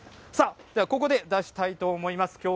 さあ、ではここで出したいと思います。